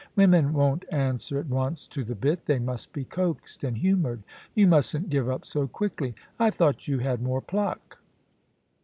Women won't answer at once to the bit, they must be coaxed and humoured. You mustn't give up so quickly. I thought you had more pluck.'